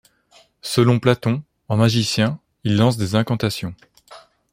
Selon Platon, en magicien, il lance des incantations.